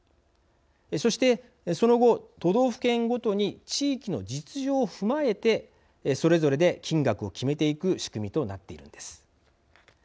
そして、その後都道府県ごとに地域の実情を踏まえてそれぞれで金額を決めていく仕組みとなっているんです。